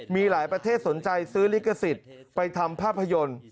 มีหลายประเทศสนใจซื้อลิขสิทธิ์ไปทำภาพยนตร์